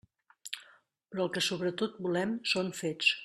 Però el que sobretot volem són fets.